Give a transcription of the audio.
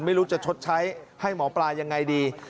ไม่รู้จะชดใช้ให้หมอปลายังไงดี